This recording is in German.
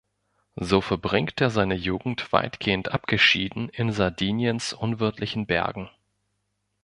So verbringt er seine Jugend weitgehend abgeschieden in Sardiniens unwirtlichen Bergen.